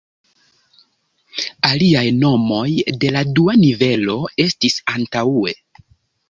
Aliaj nomoj de la dua nivelo estis antaŭe.